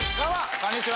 こんにちは。